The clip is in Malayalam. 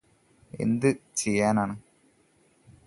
എന്ത് ചെയ്യാനാണ്